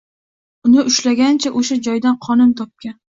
Uni ushlagancha o‘sha joydan qo‘nim topgan.